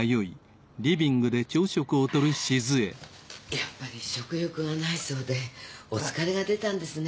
やっぱり食欲がないそうでお疲れが出たんですね。